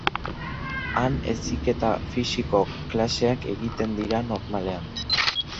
Han heziketa fisikoko klaseak egiten dira normalean.